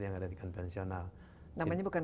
yang ada di konvensional namanya bukan